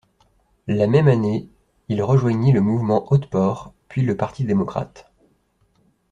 La même année, il rejoignit le mouvement Otpor puis le Parti démocrate.